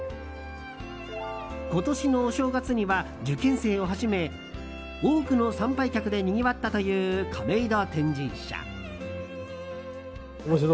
今年のお正月には受験生をはじめ多くの参拝客でにぎわったという亀戸天神社。